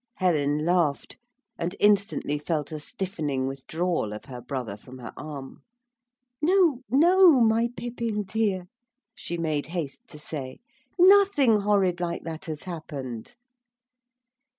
Helen laughed, and instantly felt a stiffening withdrawal of her brother from her arm. 'No, no, my Pippin, dear,' she made haste to say. 'Nothing horrid like that has happened.'